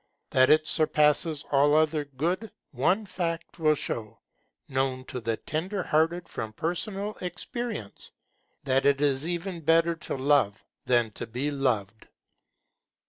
That it surpasses all other good one fact will show, known to the tender hearted from personal experience; that it is even better to love than to be loved.